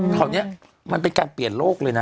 คราวนี้มันเป็นการเปลี่ยนโลกเลยนะ